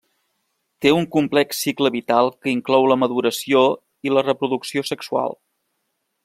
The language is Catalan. Té un complex cicle vital que inclou la maduració i la reproducció sexual.